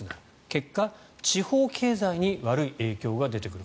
結果、地方経済に悪い影響が出てくる。